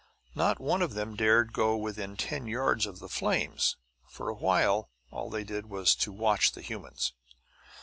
Not one of them dared go within ten yards of the flames; for a while, all they did was to watch the humans.